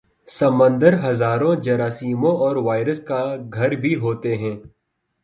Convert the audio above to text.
سمندر ہزاروں جراثیموں اور وائرس کا گھر بھی ہوتے ہیں